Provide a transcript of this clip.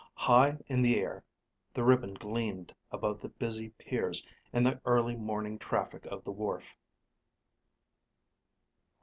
High in the air, the ribbon gleamed above the busy piers and the early morning traffic of the wharf.